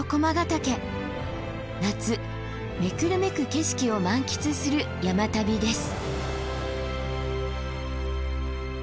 夏めくるめく景色を満喫する山旅です。